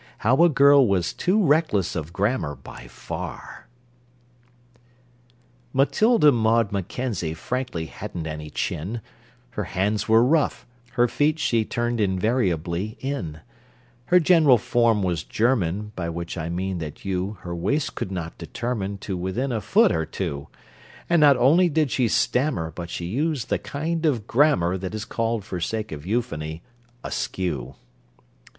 How a Girl was too Reckless of Grammar by Far Matilda Maud Mackenzie frankly hadn't any chin, Her hands were rough, her feet she turned invariably in; Her general form was German, By which I mean that you Her waist could not determine To within a foot or two: And not only did she stammer, But she used the kind of grammar That is called, for sake of euphony, askew.